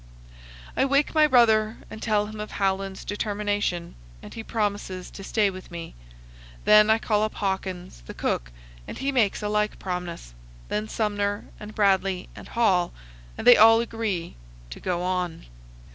I wake my brother and tell him of Howland's determination, and he promises to stay with me; then I call up Hawkins, the cook, and he makes a like promise; then Sumner and Bradley and Hall, and they all agree to go on.